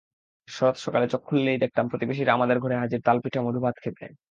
শরৎ সকালে চোখ খুললেই দেখতাম প্রতিবেশিরা আমাদের ঘরে হাজির তালপিঠা-মধুভাত খেতে।